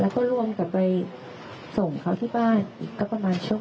แล้วก็รวมกลับไปส่งเขาที่บ้านอีกก็ประมาณช่วง